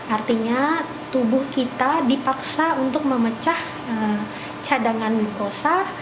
artinya tubuh kita dipaksa untuk memecah cadangan glukosa